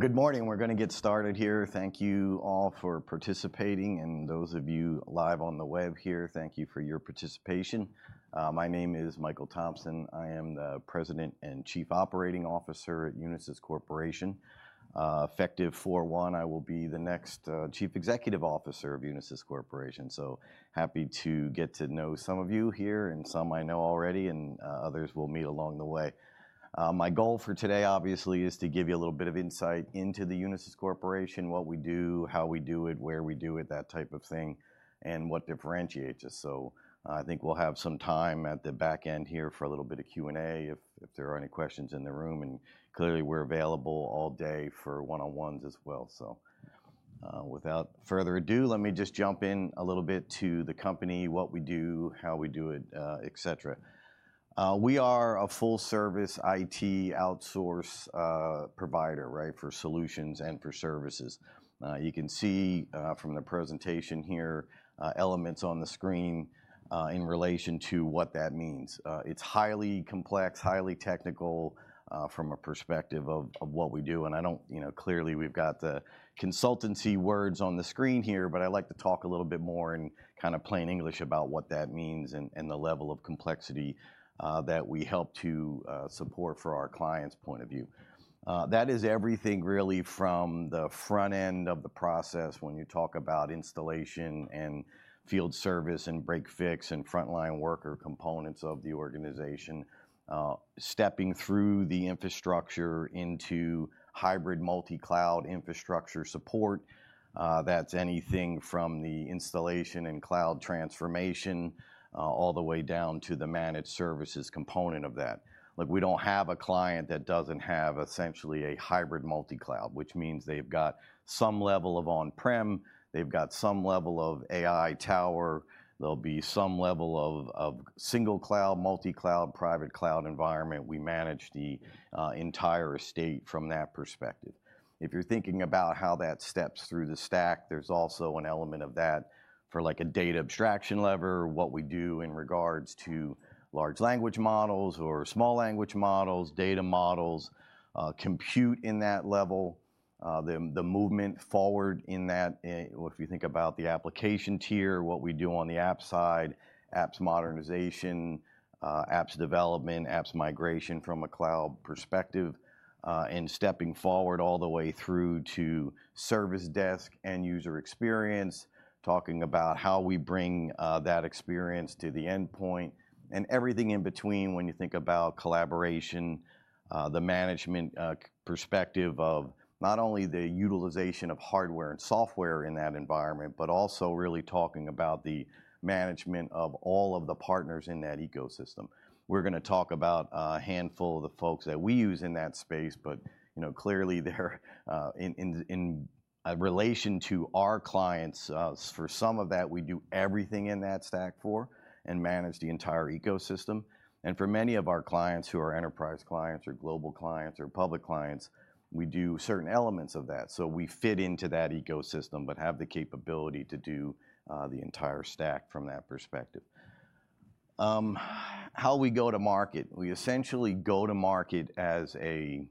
Good morning. We're going to get started here. Thank you all for participating, and those of you live on the web here, thank you for your participation. My name is Michael Thomson. I am the President and Chief Operating Officer at Unisys Corporation. Effective 4/1, I will be the next Chief Executive Officer of Unisys Corporation. Happy to get to know some of you here, and some I know already, and others we'll meet along the way. My goal for today, obviously, is to give you a little bit of insight into the Unisys Corporation, what we do, how we do it, where we do it, that type of thing, and what differentiates us. I think we'll have some time at the back end here for a little bit of Q&A if there are any questions in the room, and clearly we're available all day for one-on-ones as well. Without further ado, let me just jump in a little bit to the company, what we do, how we do it, etc. We are a full-service IT outsource provider, right, for solutions and for services. You can see from the presentation here elements on the screen in relation to what that means. It's highly complex, highly technical from a perspective of what we do, and I don't, you know, clearly we've got the consultancy words on the screen here, but I like to talk a little bit more in kind of plain English about what that means and the level of complexity that we help to support for our clients' point of view. That is everything really from the front end of the process when you talk about installation and field service and break/fix and frontline worker components of the organization, stepping through the infrastructure into hybrid multi-cloud infrastructure support. That's anything from the installation and cloud transformation all the way down to the managed services component of that. Look, we don't have a client that doesn't have essentially a hybrid multi-cloud, which means they've got some level of on-prem, they've got some level of AI tower, there'll be some level of single cloud, multi-cloud, private cloud environment. We manage the entire estate from that perspective. If you're thinking about how that steps through the stack, there's also an element of that for like a data abstraction layer, what we do in regards to large language models or small language models, data models, compute in that level, the movement forward in that. If you think about the application tier, what we do on the app side, apps modernization, apps development, apps migration from a cloud perspective, and stepping forward all the way through to service desk and user experience, talking about how we bring that experience to the endpoint, and everything in between when you think about collaboration, the management perspective of not only the utilization of hardware and software in that environment, but also really talking about the management of all of the partners in that ecosystem. We're going to talk about a handful of the folks that we use in that space, but, you know, clearly they're in relation to our clients. For some of that, we do everything in that stack for and manage the entire ecosystem. And for many of our clients who are enterprise clients or global clients or public clients, we do certain elements of that. We fit into that ecosystem but have the capability to do the entire stack from that perspective. How we go to market. We essentially go to market as a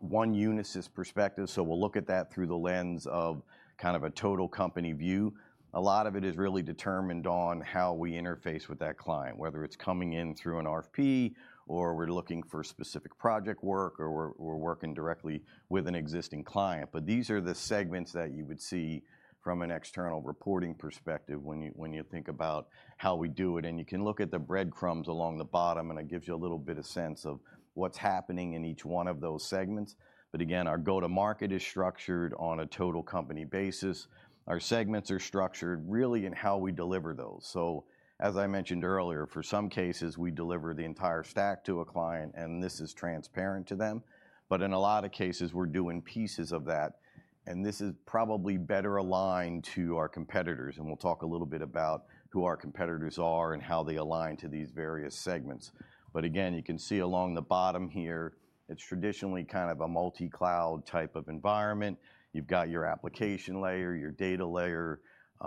one Unisys perspective. We'll look at that through the lens of kind of a total company view. A lot of it is really determined on how we interface with that client, whether it's coming in through an RFP or we're looking for specific project work or we're working directly with an existing client. These are the segments that you would see from an external reporting perspective when you think about how we do it. You can look at the breadcrumbs along the bottom, and it gives you a little bit of sense of what's happening in each one of those segments. Again, our go-to-market is structured on a total company basis. Our segments are structured really in how we deliver those, so as I mentioned earlier, for some cases, we deliver the entire stack to a client, and this is transparent to them, but in a lot of cases, we're doing pieces of that, and this is probably better aligned to our competitors, and we'll talk a little bit about who our competitors are and how they align to these various segments, but again, you can see along the bottom here, it's traditionally kind of a multi-cloud type of environment. You've got your application layer, your data layer,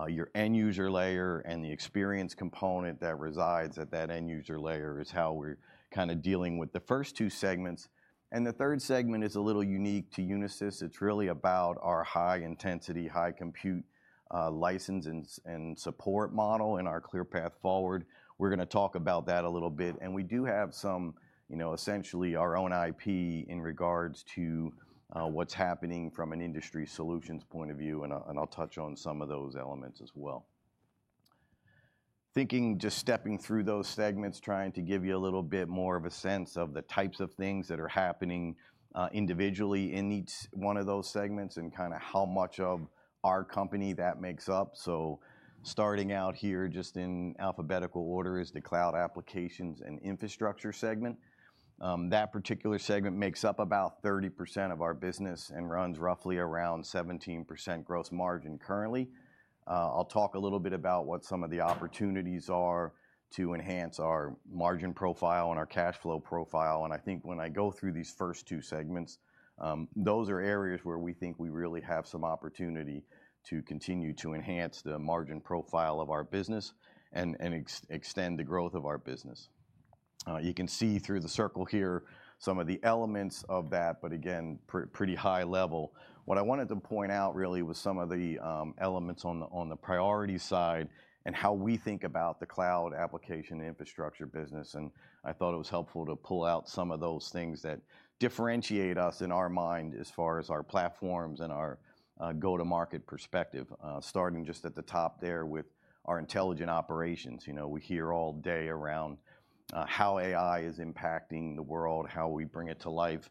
your end-user layer, and the experience component that resides at that end-user layer is how we're kind of dealing with the first two segments, and the third segment is a little unique to Unisys. It's really about our high-intensity, high-compute license and support model and our ClearPath Forward. We're going to talk about that a little bit, and we do have some, you know, essentially our own IP in regards to what's happening from an industry solutions point of view, and I'll touch on some of those elements as well. Thinking just stepping through those segments, trying to give you a little bit more of a sense of the types of things that are happening individually in each one of those segments and kind of how much of our company that makes up, so starting out here just in alphabetical order is the Cloud Applications and Infrastructure segment. That particular segment makes up about 30% of our business and runs roughly around 17% gross margin currently. I'll talk a little bit about what some of the opportunities are to enhance our margin profile and our cash flow profile. I think when I go through these first two segments, those are areas where we think we really have some opportunity to continue to enhance the margin profile of our business and extend the growth of our business. You can see through the circle here some of the elements of that, but again, pretty high level. What I wanted to point out really was some of the elements on the priority side and how we think about the cloud application infrastructure business. I thought it was helpful to pull out some of those things that differentiate us in our mind as far as our platforms and our go-to-market perspective. Starting just at the top there with our Intelligent Operations. You know, we hear all day around how AI is impacting the world, how we bring it to life.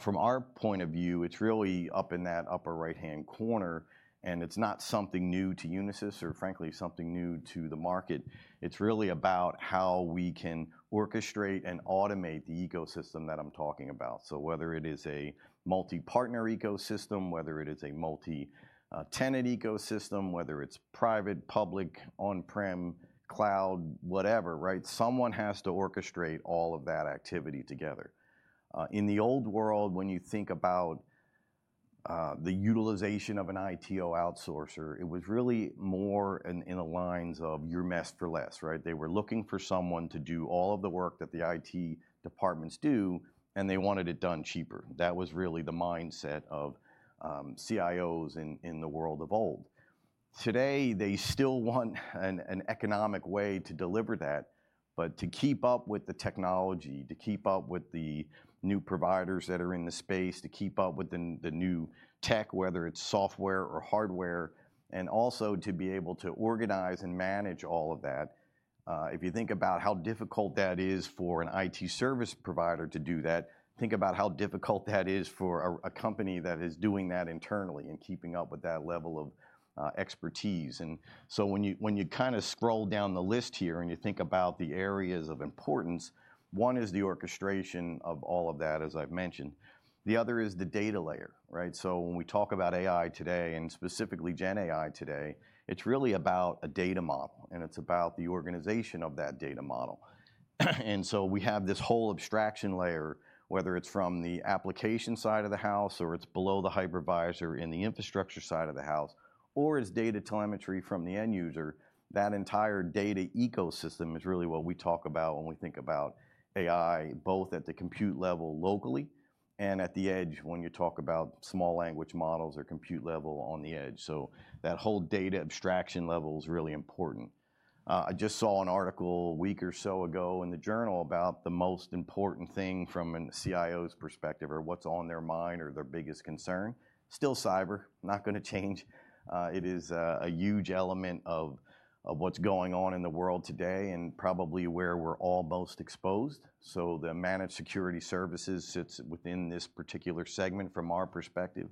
From our point of view, it's really up in that upper right-hand corner, and it's not something new to Unisys or frankly something new to the market. It's really about how we can orchestrate and automate the ecosystem that I'm talking about. Whether it is a multi-partner ecosystem, whether it is a multi-tenant ecosystem, whether it's private, public, on-prem, cloud, whatever, right, someone has to orchestrate all of that activity together. In the old world, when you think about the utilization of an ITO outsourcer, it was really more in the lines of your mess for less, right? They were looking for someone to do all of the work that the IT departments do, and they wanted it done cheaper. That was really the mindset of CIOs in the world of old. Today, they still want an economic way to deliver that, but to keep up with the technology, to keep up with the new providers that are in the space, to keep up with the new tech, whether it's software or hardware, and also to be able to organize and manage all of that. If you think about how difficult that is for an IT service provider to do that, think about how difficult that is for a company that is doing that internally and keeping up with that level of expertise. And so, when you kind of scroll down the list here and you think about the areas of importance, one is the orchestration of all of that, as I've mentioned. The other is the data layer, right? When we talk about AI today and specifically GenAI today, it's really about a data model, and it's about the organization of that data model. And so, we have this whole abstraction layer, whether it's from the application side of the house or it's below the hypervisor in the infrastructure side of the house, or it's data telemetry from the end user, that entire data ecosystem is really what we talk about when we think about AI, both at the compute level locally and at the edge when you talk about small language models or compute level on the edge. So, that whole data abstraction level is really important. I just saw an article a week or so ago in the journal about the most important thing from a CIO's perspective or what's on their mind or their biggest concern. Still, cyber, not going to change. It is a huge element of what's going on in the world today and probably where we're all most exposed, so the managed security services sits within this particular segment from our perspective.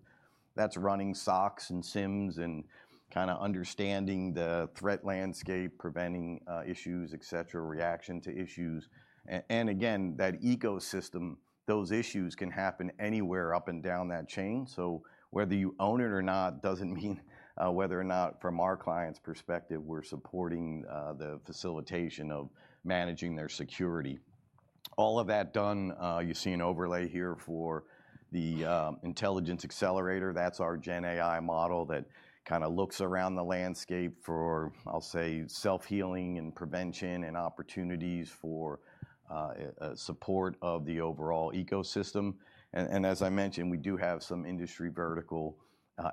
That's running SOCs and SIEMs and kind of understanding the threat landscape, preventing issues, etc., reaction to issues. And again, that ecosystem, those issues can happen anywhere up and down that chain, so whether you own it or not doesn't mean whether or not from our client's perspective we're supporting the facilitation of managing their security. All of that done, you see an overlay here for the Intelligence Accelerator. That's our GenAI model that kind of looks around the landscape for, I'll say, self-healing and prevention and opportunities for support of the overall ecosystem. As I mentioned, we do have some industry vertical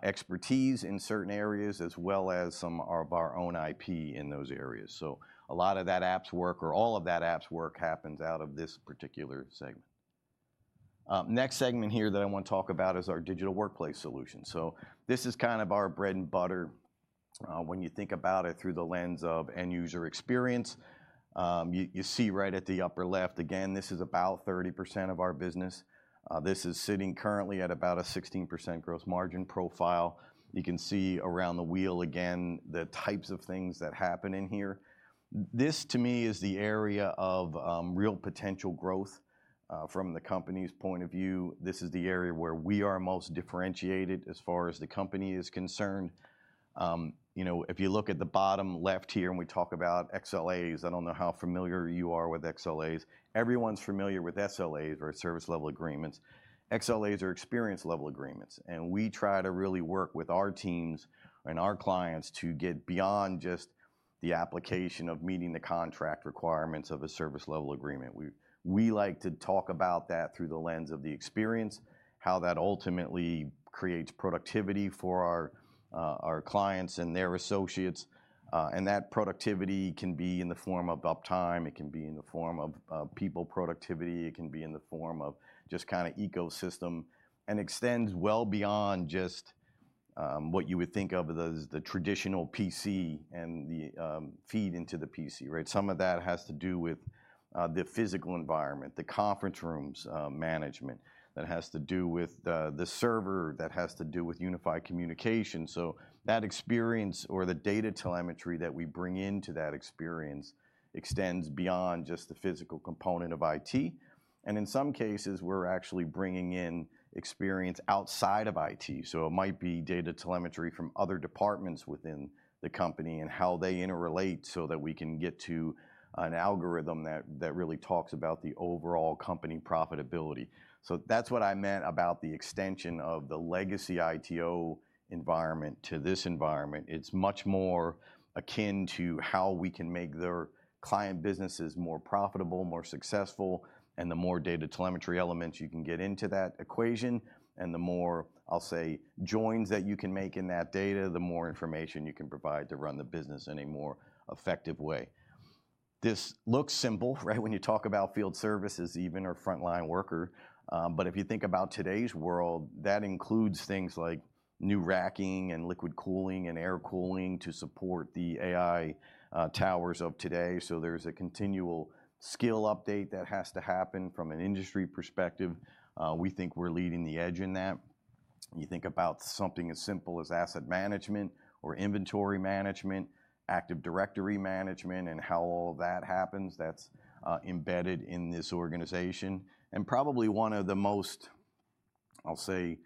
expertise in certain areas as well as some of our own IP in those areas. A lot of that apps work or all of that apps work happens out of this particular segment. Next segment here that I want to talk about is our Digital Workplace Solutions. This is kind of our bread and butter. When you think about it through the lens of end user experience, you see right at the upper left, again, this is about 30% of our business. This is sitting currently at about a 16% gross margin profile. You can see around the wheel again the types of things that happen in here. This, to me, is the area of real potential growth from the company's point of view. This is the area where we are most differentiated as far as the company is concerned. You know, if you look at the bottom left here and we talk about XLAs, I don't know how familiar you are with XLAs. Everyone's familiar with SLAs or service level agreements. XLAs are experience level agreements, and we try to really work with our teams and our clients to get beyond just the application of meeting the contract requirements of a service level agreement. We like to talk about that through the lens of the experience, how that ultimately creates productivity for our clients and their associates, and that productivity can be in the form of uptime. It can be in the form of people productivity. It can be in the form of just kind of ecosystem and extends well beyond just what you would think of as the traditional PC and the feed into the PC, right? Some of that has to do with the physical environment, the conference rooms management that has to do with the server that has to do with unified communication. So, that experience or the data telemetry that we bring into that experience extends beyond just the physical component of IT. And in some cases, we're actually bringing in experience outside of IT. So, it might be data telemetry from other departments within the company and how they interrelate so that we can get to an algorithm that really talks about the overall company profitability. So, that's what I meant about the extension of the legacy ITO environment to this environment. It's much more akin to how we can make the client businesses more profitable, more successful, and the more data telemetry elements you can get into that equation, and the more, I'll say, joins that you can make in that data, the more information you can provide to run the business in a more effective way. This looks simple, right, when you talk about field services even or frontline worker, but if you think about today's world, that includes things like new racking and liquid cooling and air cooling to support the AI towers of today, so there's a continual skill update that has to happen from an industry perspective. We think we're leading the edge in that. You think about something as simple as asset management or inventory management, Active Directory management, and how all of that happens. That's embedded in this organization. Probably one of the most, I'll say,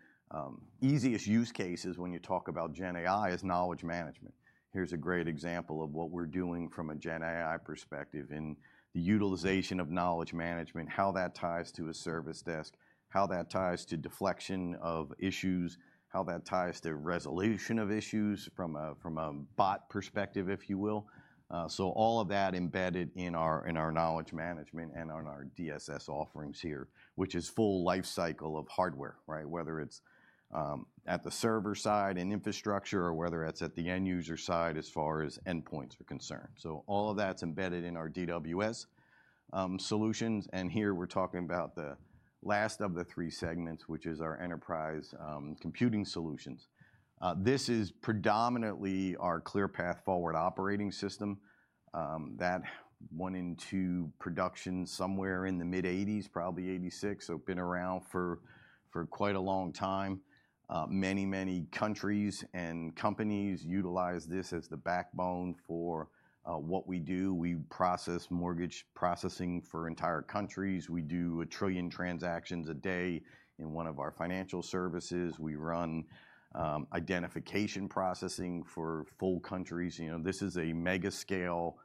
easiest use cases when you talk about GenAI is knowledge management. Here's a great example of what we're doing from a GenAI perspective in the utilization of knowledge management, how that ties to a service desk, how that ties to deflection of issues, how that ties to resolution of issues from a bot perspective, if you will. All of that embedded in our knowledge management and on our DWS offerings here, which is full lifecycle of hardware, right? Whether it's at the server side and infrastructure or whether it's at the end user side as far as endpoints are concerned. All of that's embedded in our DWS solutions. Here we're talking about the last of the three segments, which is our Enterprise Computing Solutions. This is predominantly our ClearPath Forward operating system that went into production somewhere in the mid-80s, probably 1986. So, it's been around for quite a long time. Many, many countries and companies utilize this as the backbone for what we do. We process mortgage processing for entire countries. We do a trillion transactions a day in one of our financial services. We run identification processing for full countries. You know, this is a mega scale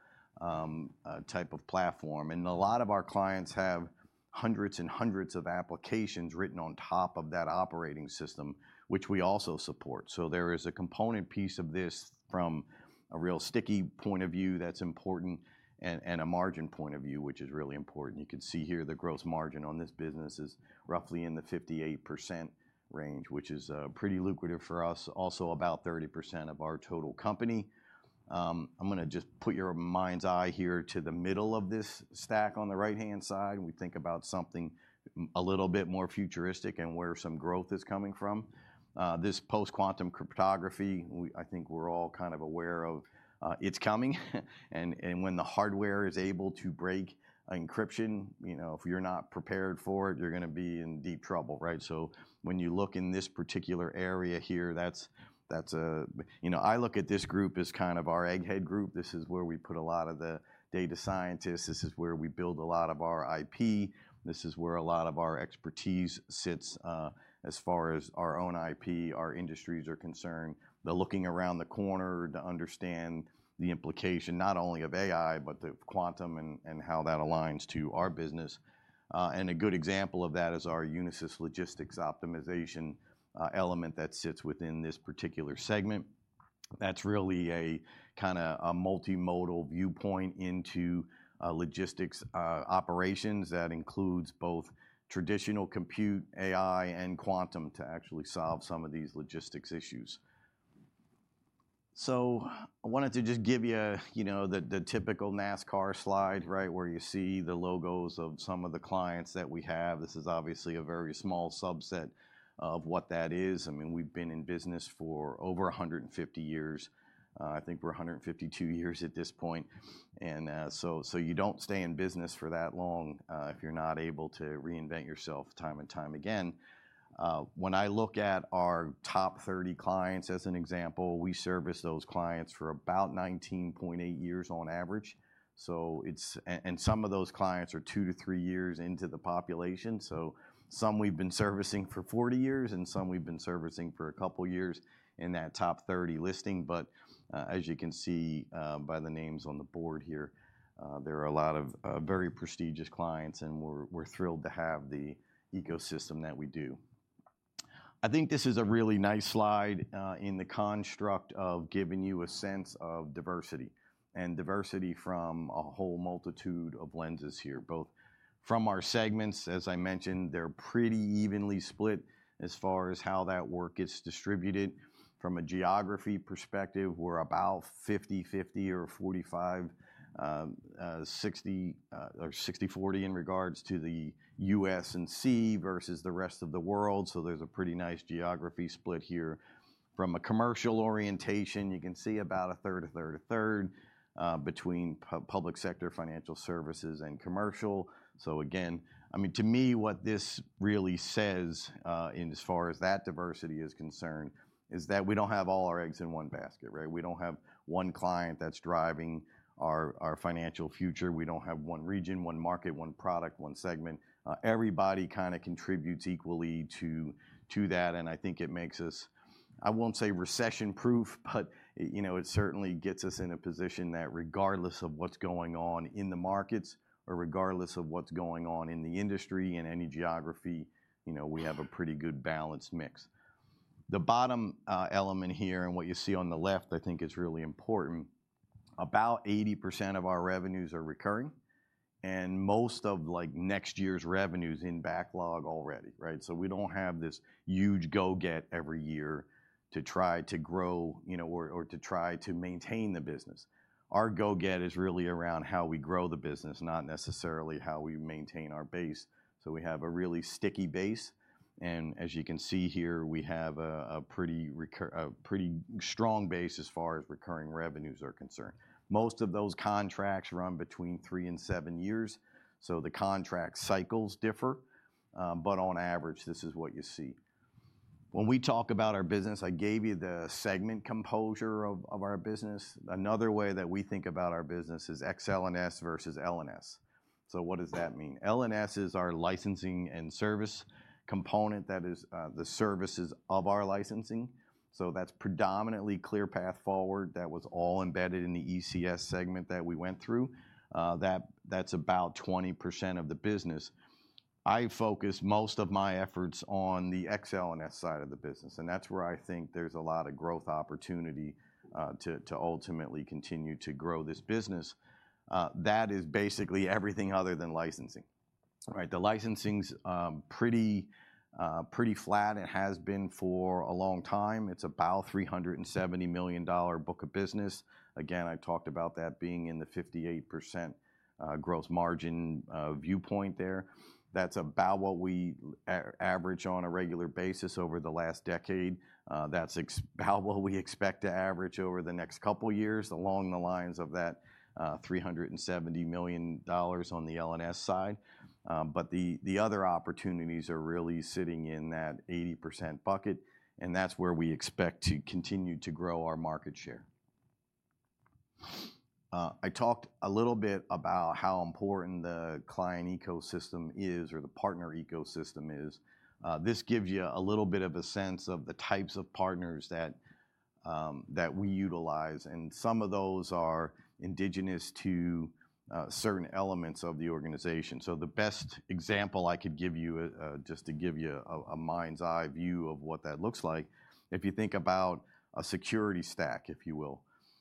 type of platform. And a lot of our clients have hundreds and hundreds of applications written on top of that operating system, which we also support. So, there is a component piece of this from a real sticky point of view that's important and a margin point of view, which is really important. You can see here the gross margin on this business is roughly in the 58% range, which is pretty lucrative for us. Also, about 30% of our total company. I'm going to just put your mind's eye here to the middle of this stack on the right-hand side. We think about something a little bit more futuristic and where some growth is coming from. This post-quantum cryptography, I think we're all kind of aware of it's coming, and when the hardware is able to break encryption, you know, if you're not prepared for it, you're going to be in deep trouble, right? So, when you look in this particular area here, that's, you know, I look at this group as kind of our egghead group. This is where we put a lot of the data scientists. This is where we build a lot of our IP. This is where a lot of our expertise sits as far as our own IP, our industries are concerned. They're looking around the corner to understand the implication not only of AI, but of quantum and how that aligns to our business. And a good example of that is our Unisys Logistics Optimization element that sits within this particular segment. That's really a kind of a multimodal viewpoint into logistics operations that includes both traditional compute, AI, and quantum to actually solve some of these logistics issues. So, I wanted to just give you, you know, the typical NASCAR slide, right, where you see the logos of some of the clients that we have. This is obviously a very small subset of what that is. I mean, we've been in business for over 150 years. I think we're 152 years at this point. And so, you don't stay in business for that long if you're not able to reinvent yourself time and time again. When I look at our top 30 clients as an example, we service those clients for about 19.8 years on average. So, it's, and some of those clients are two to three years into the population. So, some we've been servicing for 40 years and some we've been servicing for a couple of years in that top 30 listing. But as you can see by the names on the board here, there are a lot of very prestigious clients and we're thrilled to have the ecosystem that we do. I think this is a really nice slide in the construct of giving you a sense of diversity and diversity from a whole multitude of lenses here, both from our segments. As I mentioned, they're pretty evenly split as far as how that work gets distributed. From a geography perspective, we're about 50-50 or 45-60 or 60-40 in regards to the US&C versus the rest of the world. So, there's a pretty nice geography split here. From a commercial orientation, you can see about a third, a third, a third between public sector, financial services, and commercial. So, again, I mean, to me, what this really says in as far as that diversity is concerned is that we don't have all our eggs in one basket, right? We don't have one client that's driving our financial future. We don't have one region, one market, one product, one segment. Everybody kind of contributes equally to that. I think it makes us, I won't say recession proof, but, you know, it certainly gets us in a position that regardless of what's going on in the markets or regardless of what's going on in the industry and any geography, you know, we have a pretty good balanced mix. The bottom element here and what you see on the left, I think it's really important. About 80% of our revenues are recurring and most of like next year's revenues in backlog already, right? So, we don't have this huge go get every year to try to grow, you know, or to try to maintain the business. Our go get is really around how we grow the business, not necessarily how we maintain our base. So, we have a really sticky base. As you can see here, we have a pretty strong base as far as recurring revenues are concerned. Most of those contracts run between three and seven years. So, the contract cycles differ. But on average, this is what you see. When we talk about our business, I gave you the segment composition of our business. Another way that we think about our business is Ex-L&S versus L&S. So, what does that mean? L&S is our licensing and service component that is the services of our licensing. So, that's predominantly ClearPath Forward. That was all embedded in the ECS segment that we went through. That's about 20% of the business. I focus most of my efforts on the Ex-L&S side of the business. That's where I think there's a lot of growth opportunity to ultimately continue to grow this business. That is basically everything other than licensing, right? The licensing's pretty flat and has been for a long time. It's about $370 million book of business. Again, I talked about that being in the 58% gross margin viewpoint there. That's about what we average on a regular basis over the last decade. That's about what we expect to average over the next couple of years along the lines of that $370 million on the L&S side. But the other opportunities are really sitting in that 80% bucket. And that's where we expect to continue to grow our market share. I talked a little bit about how important the client ecosystem is or the partner ecosystem is. This gives you a little bit of a sense of the types of partners that we utilize. And some of those are indigenous to certain elements of the organization. So, the best example I could give you, just to give you a mind's eye view of what that looks like, if you think about a security stack, if you will,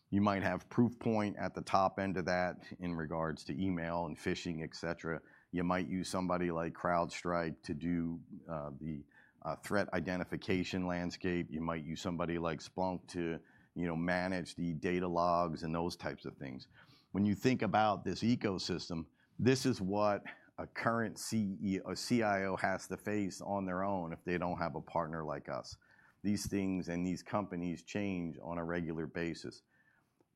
you might have Proofpoint at the top end of that in regards to email and phishing, et cetera. You might use somebody like CrowdStrike to do the threat identification landscape. You might use somebody like Splunk to, you know, manage the data logs and those types of things. When you think about this ecosystem, this is what a current CIO has to face on their own if they don't have a partner like us. These things and these companies change on a regular basis.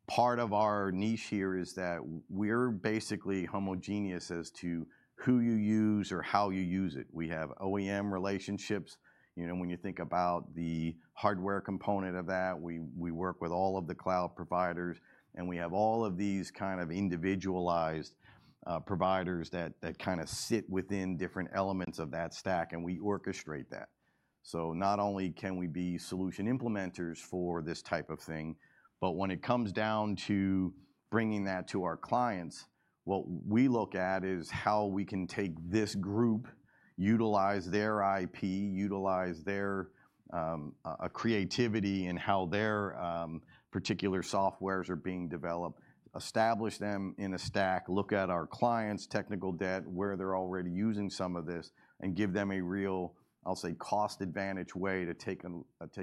Part of our niche here is that we're basically homogeneous as to who you use or how you use it. We have OEM relationships. You know, when you think about the hardware component of that, we work with all of the cloud providers. And we have all of these kind of individualized providers that kind of sit within different elements of that stack. And we orchestrate that. So, not only can we be solution implementers for this type of thing, but when it comes down to bringing that to our clients, what we look at is how we can take this group, utilize their IP, utilize their creativity in how their particular softwares are being developed, establish them in a stack, look at our clients' technical debt where they're already using some of this, and give them a real, I'll say, cost advantage way to take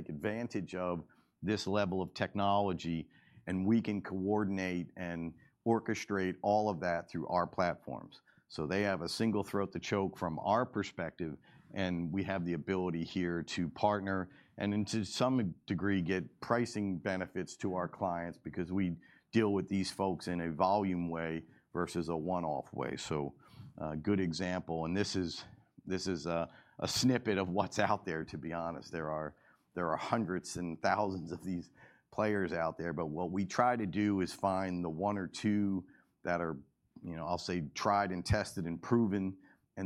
advantage of this level of technology. And we can coordinate and orchestrate all of that through our platforms. They have a single throat to choke from our perspective. We have the ability here to partner and to some degree get pricing benefits to our clients because we deal with these folks in a volume way versus a one-off way. A good example. This is a snippet of what's out there, to be honest. There are hundreds and thousands of these players out there. What we try to do is find the one or two that are, you know, I'll say, tried and tested and proven.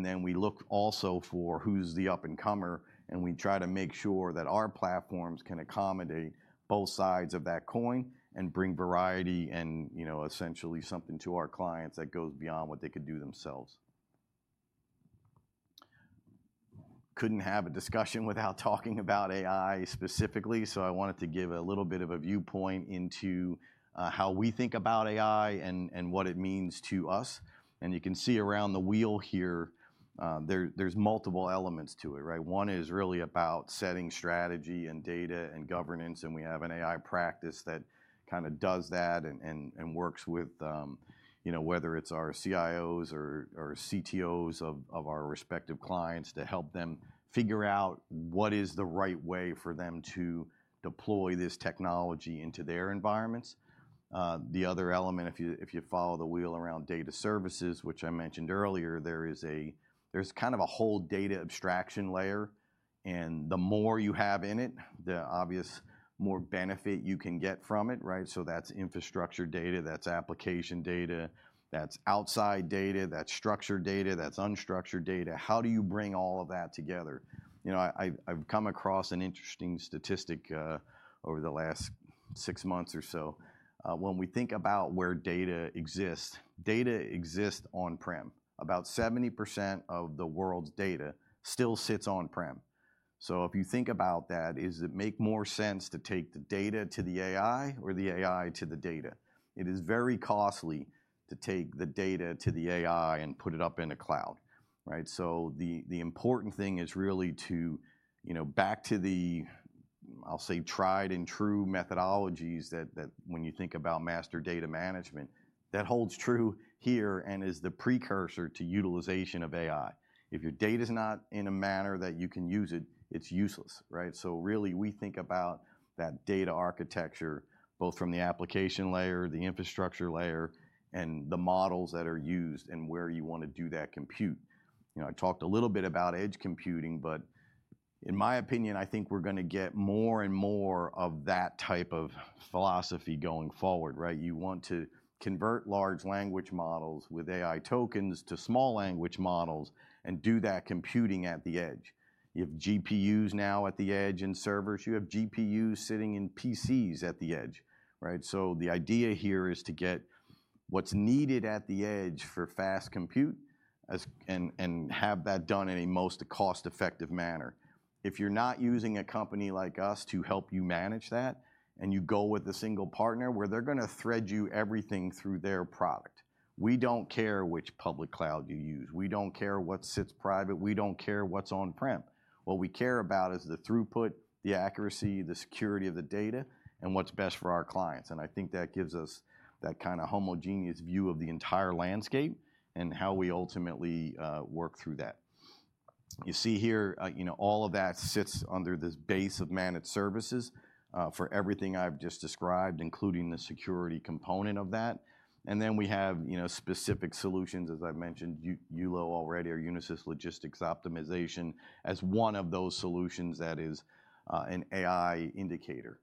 Then we look also for who's the up-and-comer. We try to make sure that our platforms can accommodate both sides of that coin and bring variety and, you know, essentially something to our clients that goes beyond what they could do themselves. Couldn't have a discussion without talking about AI specifically. I wanted to give a little bit of a viewpoint into how we think about AI and what it means to us. You can see around the wheel here, there's multiple elements to it, right? One is really about setting strategy and data and governance. We have an AI practice that kind of does that and works with, you know, whether it's our CIOs or CTOs of our respective clients to help them figure out what is the right way for them to deploy this technology into their environments. The other element, if you follow the wheel around data services, which I mentioned earlier, there's kind of a whole data abstraction layer. The more you have in it, obviously more benefit you can get from it, right? So, that's infrastructure data, that's application data, that's outside data, that's structured data, that's unstructured data. How do you bring all of that together? You know, I've come across an interesting statistic over the last six months or so. When we think about where data exists, data exists on-prem. About 70% of the world's data still sits on-prem. So, if you think about that, does it make more sense to take the data to the AI or the AI to the data? It is very costly to take the data to the AI and put it up in the cloud, right? So, the important thing is really to, you know, back to the, I'll say, tried and true methodologies that when you think about master data management, that holds true here and is the precursor to utilization of AI. If your data is not in a manner that you can use it, it's useless, right? So, really, we think about that data architecture, both from the application layer, the infrastructure layer, and the models that are used and where you want to do that compute. You know, I talked a little bit about edge computing, but in my opinion, I think we're going to get more and more of that type of philosophy going forward, right? You want to convert large language models with AI tokens to small language models and do that computing at the edge. You have GPUs now at the edge and servers. You have GPUs sitting in PCs at the edge, right? So, the idea here is to get what's needed at the edge for fast compute and have that done in a most cost-effective manner. If you're not using a company like us to help you manage that and you go with a single partner where they're going to thread you everything through their product, we don't care which public cloud you use. We don't care what sits private. We don't care what's on-prem. What we care about is the throughput, the accuracy, the security of the data, and what's best for our clients. And I think that gives us that kind of homogeneous view of the entire landscape and how we ultimately work through that. You see here, you know, all of that sits under this base of managed services for everything I've just described, including the security component of that. And then we have, you know, specific solutions, as I've mentioned, ULO already or Unisys Logistics Optimization as one of those solutions that is an AI indicator.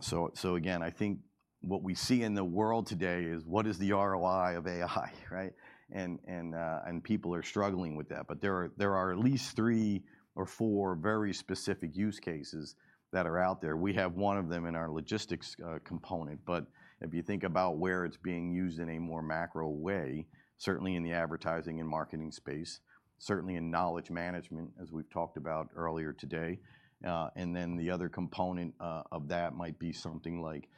So, again, I think what we see in the world today is what is the ROI of AI, right? And people are struggling with that. But there are at least three or four very specific use cases that are out there. We have one of them in our logistics component. But if you think about where it's being used in a more macro way, certainly in the advertising and marketing space, certainly in knowledge management, as we've talked about earlier today. And then the other component of that might be something like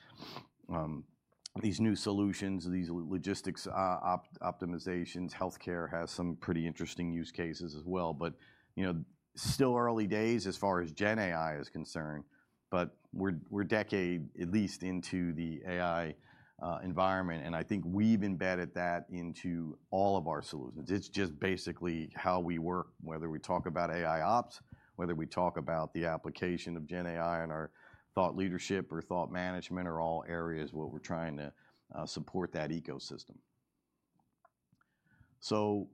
these new solutions, these logistics optimizations. Healthcare has some pretty interesting use cases as well. But, you know, still early days as far as GenAI is concerned. But we're at least a decade into the AI environment. And I think we've embedded that into all of our solutions. It's just basically how we work, whether we talk about AIOps, whether we talk about the application of GenAI and our thought leadership or thought management or all areas where we're trying to support that ecosystem. So,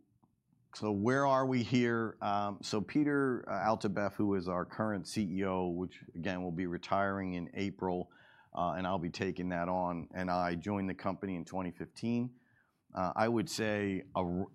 where are we here? So, Peter Altabef, who is our current CEO, which again, will be retiring in April, and I'll be taking that on. And I joined the company in 2015. I would say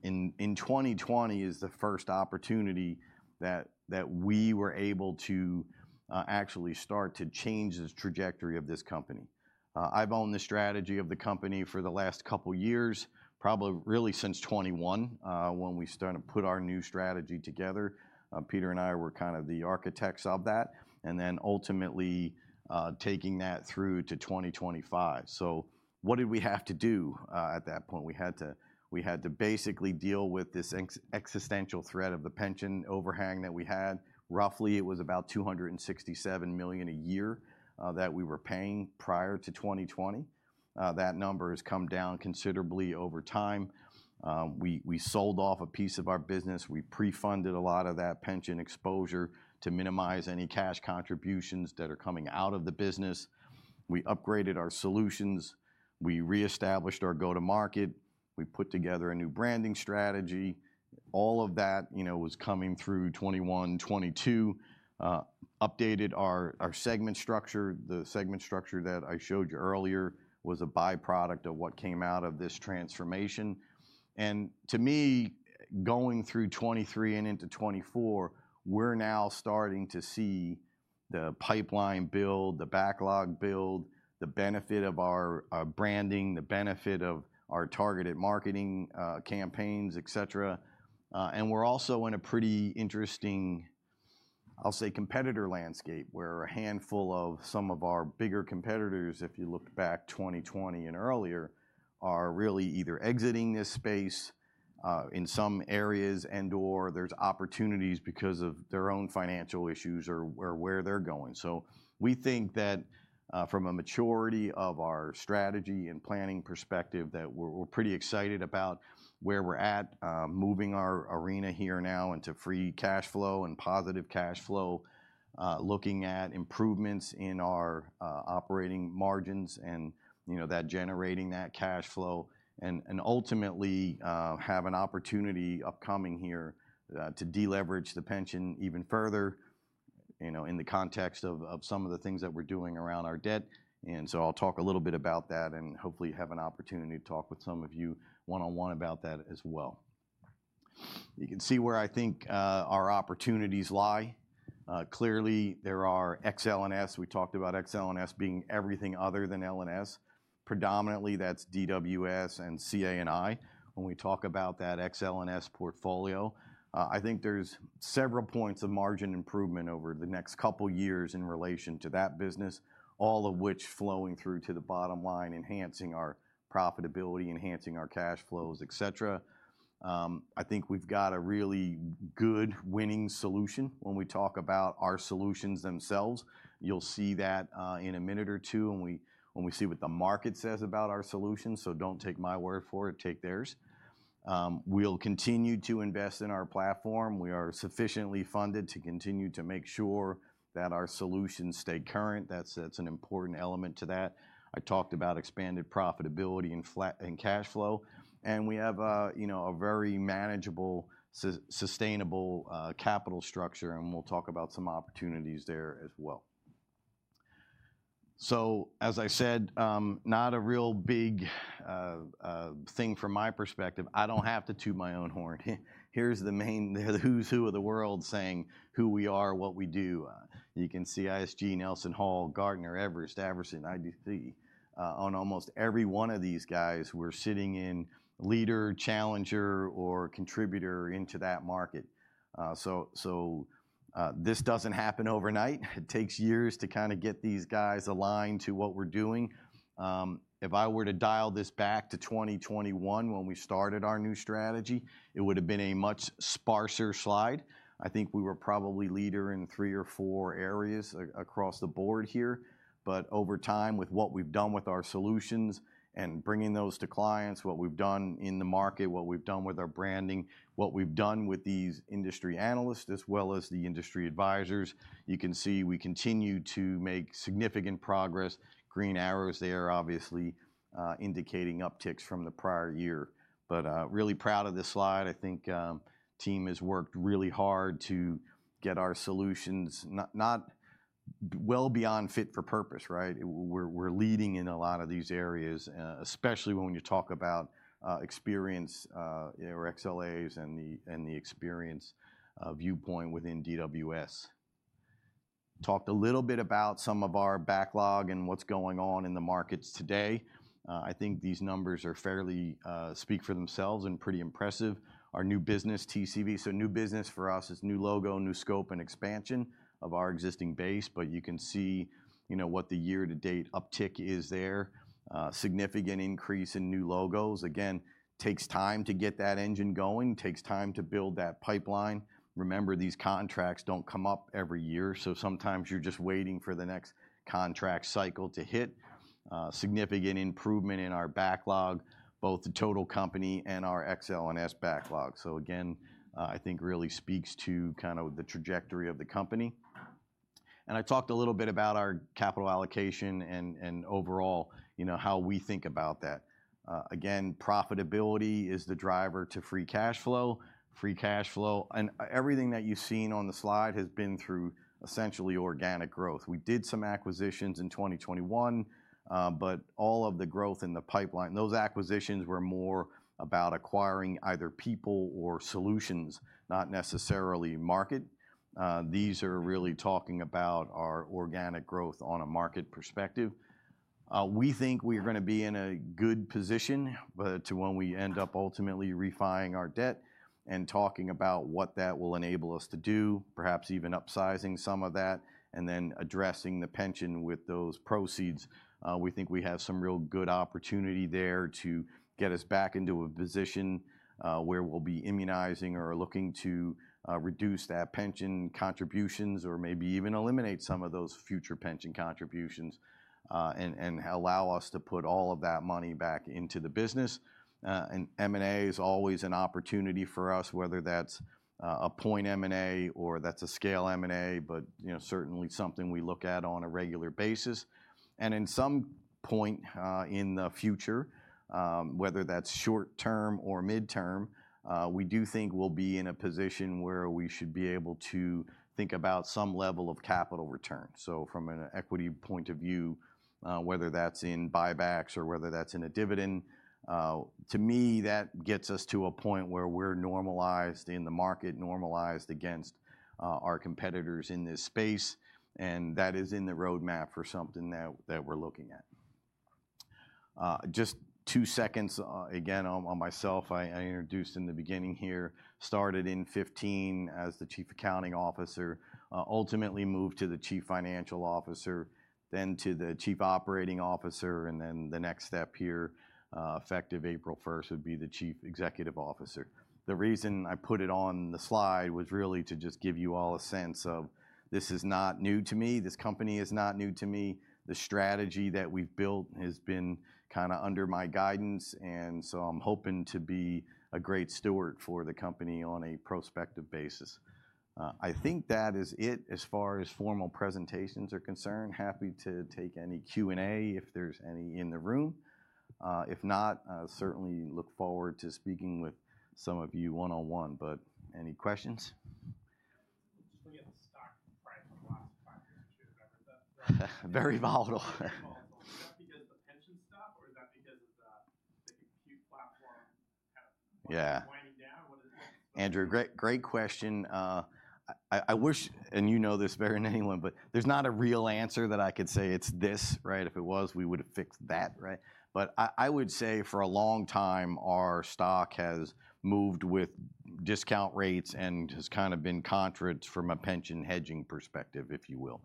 in 2020 is the first opportunity that we were able to actually start to change the trajectory of this company. I've owned the strategy of the company for the last couple of years, probably really since 2021 when we started to put our new strategy together. Peter and I were kind of the architects of that. And then ultimately taking that through to 2025. So, what did we have to do at that point? We had to basically deal with this existential threat of the pension overhang that we had. Roughly, it was about $267 million a year that we were paying prior to 2020. That number has come down considerably over time. We sold off a piece of our business. We pre-funded a lot of that pension exposure to minimize any cash contributions that are coming out of the business. We upgraded our solutions. We reestablished our go-to-market. We put together a new branding strategy. All of that, you know, was coming through 2021, 2022. Updated our segment structure. The segment structure that I showed you earlier was a byproduct of what came out of this transformation. And to me, going through 2023 and into 2024, we're now starting to see the pipeline build, the backlog build, the benefit of our branding, the benefit of our targeted marketing campaigns, et cetera. We're also in a pretty interesting, I'll say, competitor landscape where a handful of some of our bigger competitors, if you look back 2020 and earlier, are really either exiting this space in some areas and/or there's opportunities because of their own financial issues or where they're going. So, we think that from a maturity of our strategy and planning perspective, that we're pretty excited about where we're at, moving our arena here now into free cash flow and positive cash flow, looking at improvements in our operating margins and, you know, that generating that cash flow. And ultimately have an opportunity upcoming here to deleverage the pension even further, you know, in the context of some of the things that we're doing around our debt. And so, I'll talk a little bit about that and hopefully have an opportunity to talk with some of you one-on-one about that as well. You can see where I think our opportunities lie. Clearly, there are Ex-L&S. We talked about Ex-L&S being everything other than L&S. Predominantly, that's DWS and CA&I. When we talk about that Ex-L&S portfolio, I think there's several points of margin improvement over the next couple of years in relation to that business, all of which flowing through to the bottom line, enhancing our profitability, enhancing our cash flows, et cetera. I think we've got a really good winning solution when we talk about our solutions themselves. You'll see that in a minute or two when we see what the market says about our solutions. So, don't take my word for it. Take theirs. We'll continue to invest in our platform. We are sufficiently funded to continue to make sure that our solutions stay current. That's an important element to that. I talked about expanded profitability and cash flow. And we have, you know, a very manageable, sustainable capital structure. And we'll talk about some opportunities there as well. So, as I said, not a real big thing from my perspective. I don't have to toot my own horn. Here's the main who's who of the world saying who we are, what we do. You can see ISG, NelsonHall, Gartner, Everest, Avasant, IDC on almost every one of these guys who are sitting in leader, challenger, or contributor into that market. So, this doesn't happen overnight. It takes years to kind of get these guys aligned to what we're doing. If I were to dial this back to 2021 when we started our new strategy, it would have been a much sparser slide. I think we were probably a leader in three or four areas across the board here. But over time, with what we've done with our solutions and bringing those to clients, what we've done in the market, what we've done with our branding, what we've done with these industry analysts as well as the industry advisors, you can see we continue to make significant progress. Green arrows there obviously indicating upticks from the prior year. But really proud of this slide. I think the team has worked really hard to get our solutions now well beyond fit for purpose, right? We're leading in a lot of these areas, especially when you talk about experience or XLAs and the experience viewpoint within DWS. Talked a little bit about some of our backlog and what's going on in the markets today. I think these numbers fairly speak for themselves and pretty impressive. Our new business, TCV. So, new business for us is new logo, new scope, and expansion of our existing base. But you can see, you know, what the year-to-date uptick is there. Significant increase in new logos. Again, takes time to get that engine going. Takes time to build that pipeline. Remember, these contracts don't come up every year. So, sometimes you're just waiting for the next contract cycle to hit. Significant improvement in our backlog, both the total company and our Ex-L&S backlog. So, again, I think really speaks to kind of the trajectory of the company, and I talked a little bit about our capital allocation and overall, you know, how we think about that. Again, profitability is the driver to free cash flow. Free cash flow and everything that you've seen on the slide has been through essentially organic growth. We did some acquisitions in 2021, but all of the growth in the pipeline. Those acquisitions were more about acquiring either people or solutions, not necessarily market. These are really talking about our organic growth on a market perspective. We think we are going to be in a good position when we end up ultimately refinancing our debt and talking about what that will enable us to do, perhaps even upsizing some of that and then addressing the pension with those proceeds. We think we have some real good opportunity there to get us back into a position where we'll be immunizing or looking to reduce that pension contributions or maybe even eliminate some of those future pension contributions and allow us to put all of that money back into the business, and M&A is always an opportunity for us, whether that's a point M&A or that's a scale M&A, but, you know, certainly something we look at on a regular basis, and in some point in the future, whether that's short-term or mid-term, we do think we'll be in a position where we should be able to think about some level of capital return. So, from an equity point of view, whether that's in buybacks or whether that's in a dividend, to me, that gets us to a point where we're normalized in the market, normalized against our competitors in this space. And that is in the roadmap for something that we're looking at. Just two seconds again on myself. I introduced in the beginning here, started in 2015 as the Chief Accounting Officer, ultimately moved to the Chief Financial Officer, then to the Chief Operating Officer, and then the next step here, effective April 1st, would be the Chief Executive Officer. The reason I put it on the slide was really to just give you all a sense of this is not new to me. This company is not new to me. The strategy that we've built has been kind of under my guidance. And so, I'm hoping to be a great steward for the company on a prospective basis. I think that is it as far as formal presentations are concerned. Happy to take any Q&A if there's any in the room. If not, certainly look forward to speaking with some of you one-on-one. But any questions? Very volatile. Andrew, great question. I wish, and you know this better than anyone, but there's not a real answer that I could say it's this, right? If it was, we would have fixed that, right? But I would say for a long time, our stock has moved with discount rates and has kind of been contrary from a pension hedging perspective, if you will.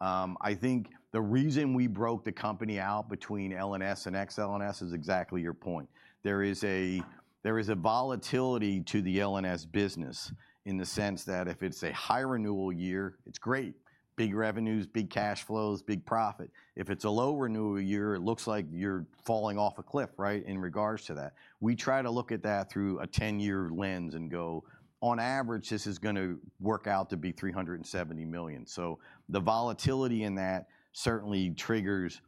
I think the reason we broke the company out between L&S and Ex-L&S is exactly your point. There is a volatility to the L&S business in the sense that if it's a high renewal year, it's great. Big revenues, big cash flows, big profit. If it's a low renewal year, it looks like you're falling off a cliff, right, in regards to that. We try to look at that through a 10-year lens and go, on average, this is going to work out to be $370 million. So, the volatility in that certainly triggers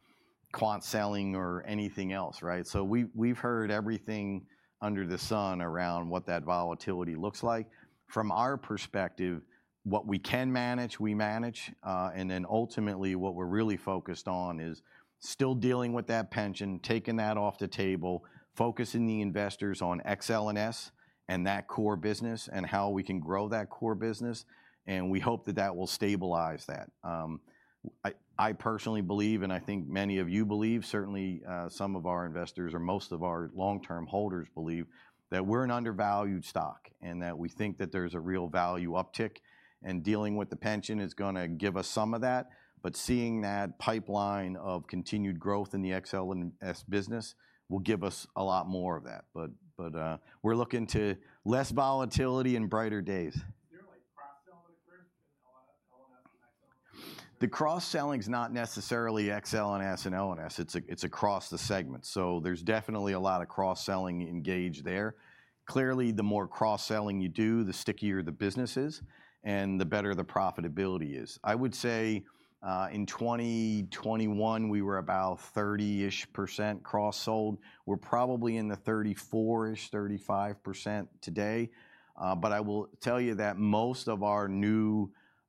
quant selling or anything else, right? So, we've heard everything under the sun around what that volatility looks like. From our perspective, what we can manage, we manage. And then ultimately, what we're really focused on is still dealing with that pension, taking that off the table, focusing the investors on Ex-L&S and that core business and how we can grow that core business. And we hope that that will stabilize that. I personally believe, and I think many of you believe, certainly some of our investors or most of our long-term holders believe that we're an undervalued stock and that we think that there's a real value uptick. And dealing with the pension is going to give us some of that. But seeing that pipeline of continued growth in the Ex-L&S business will give us a lot more of that. But we're looking to less volatility and brighter days. The cross-selling is not necessarily Ex-L&S and L&S. It's across the segment. So, there's definitely a lot of cross-selling engaged there. Clearly, the more cross-selling you do, the stickier the business is and the better the profitability is. I would say in 2021, we were about 30-ish% cross-sold. We're probably in the 34-ish%, 35% today. But I will tell you that most of our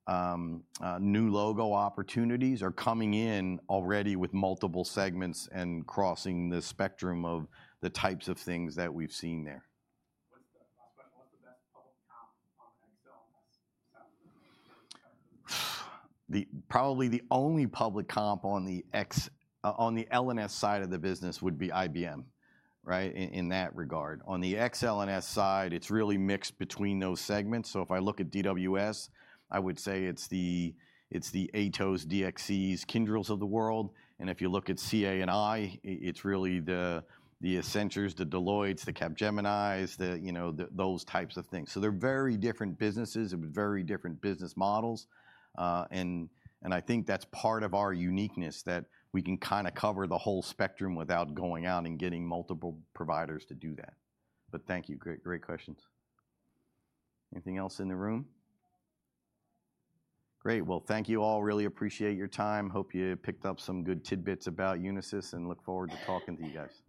new logo opportunities are coming in already with multiple segments and crossing the spectrum of the types of things that we've seen there. Probably the only public comp on the L&S side of the business would be IBM, right, in that regard. On the Ex-L&S side, it's really mixed between those segments. So, if I look at DWS, I would say it's the Atos, DXCs, Kyndryls of the world. And if you look at CA&I, it's really the Accenture, the Deloitte, the Capgemini, you know, those types of things. So, they're very different businesses with very different business models. And I think that's part of our uniqueness that we can kind of cover the whole spectrum without going out and getting multiple providers to do that. But thank you. Great, great questions. Anything else in the room? Great. Well, thank you all. Really appreciate your time. Hope you picked up some good tidbits about Unisys and look forward to talking to you guys.